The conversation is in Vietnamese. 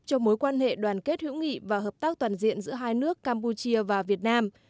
cho mối quan hệ đoàn kết hữu nghị và hợp tác toàn diện giữa hai nước campuchia và việt nam